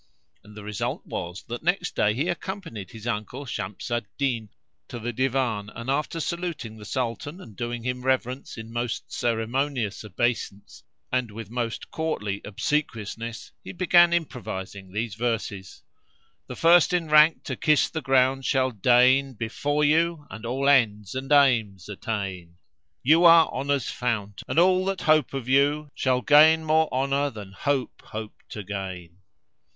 And the result was that next day he accompanied his uncle, Shams al Din, to the Divan; and, after saluting the Sultan and doing him reverence in most ceremonious obeisance and with most courtly obsequiousness, he began improvising these verses:— "The first in rank to kiss the ground shall deign * Before you, and all ends and aims attain: You are Honour's fount; and all that hope of you, * Shall gain more honour than Hope hoped to gain."